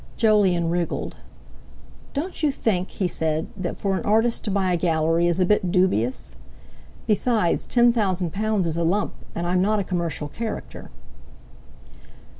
Jolyon wriggled. "Don't you think," he said, "that for an artist to buy a Gallery is a bit dubious? Besides, ten thousand pounds is a lump, and I'm not a commercial character."